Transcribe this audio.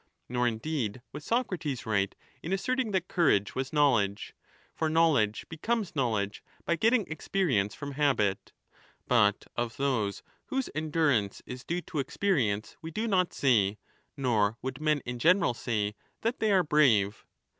Nor indeed was Socrates right in asserting that courage was knowledge.^ For knowledge 30 becomes knowledge by getting experience from habit. But of those whose endurance is due to experience we do not say, nor would men in general say, that they are brave.